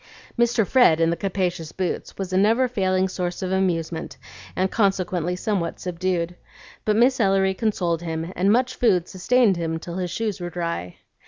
Mr. Fred in the capacious boots was a never failing source of amusement, and consequently somewhat subdued. But Miss Ellery consoled him, and much food sustained him till his shoes were dry.